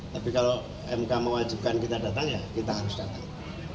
tapi kalau mk mewajibkan kita datang ya kita harus datang